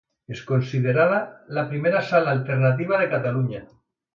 És considerada la primera Sala alternativa de Catalunya.